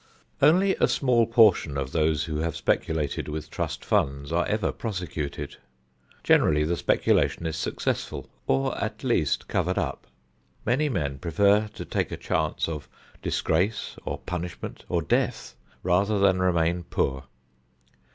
Only a small portion of those who have speculated with trust funds are ever prosecuted. Generally the speculation is successful or at least covered up. Many men prefer to take a chance of disgrace or punishment or death rather than remain poor.